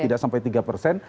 tidak sampai tiga persen